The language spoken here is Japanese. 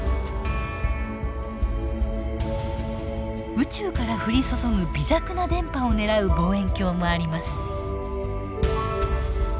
宇宙から降り注ぐ微弱な電波を狙う望遠鏡もあります。